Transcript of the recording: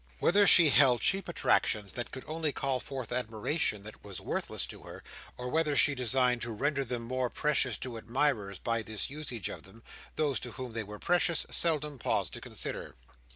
Whether she held cheap attractions that could only call forth admiration that was worthless to her, or whether she designed to render them more precious to admirers by this usage of them, those to whom they were precious seldom paused to consider.